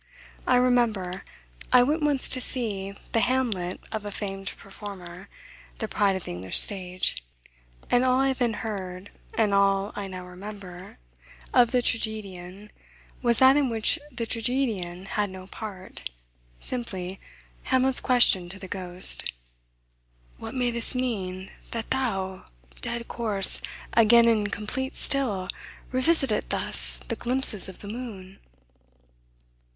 I remember, I went once to see the Hamlet of a famed performer, the pride of the English stage; and all I then heard, and all I now remember, of the tragedian, was that in which the tragedian had no part; simply, Hamlet's question to the ghost, "What may this mean, That thou, dead corse, again in complete steel Revisit'st thus the glimpses of the moon?"